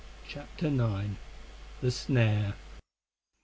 CHAPTER IX. THE SNARE.